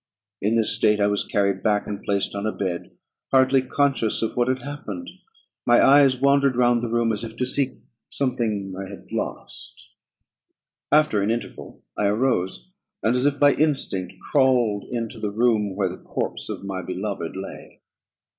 In this state I was carried back, and placed on a bed, hardly conscious of what had happened; my eyes wandered round the room, as if to seek something that I had lost. After an interval, I arose, and, as if by instinct, crawled into the room where the corpse of my beloved lay.